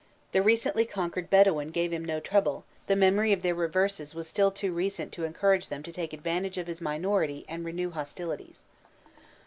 The recently conquered Bedouin gave him no trouble; the memory of their reverses was still too recent to encourage them to take advantage of his minority and renew hostilities.